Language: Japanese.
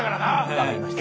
分かりました。